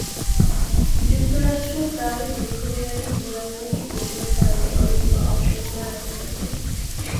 যুক্তরাষ্ট্র তার দীর্ঘমেয়াদি ভূরাজনৈতিক কৌশলের কারণে অনেকগুলো অপশন খোলা রাখতে চাচ্ছে।